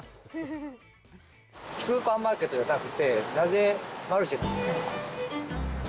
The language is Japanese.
スーパーマーケットじゃなくて、なぜマルシェなんですか。